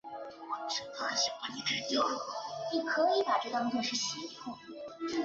这场比赛后他成为了球会的首席定门员。